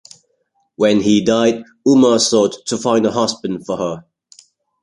When he died, Umar sought to find a husband for her.